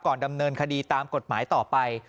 ดำเนินคดีตามกฎหมายต่อไป